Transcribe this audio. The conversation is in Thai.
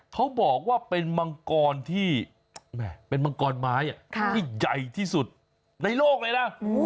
เขาบอกว่าเป็นมังกรที่เป็นมังกรไม้ที่ใหญ่ที่สุดในโลกเลยนะ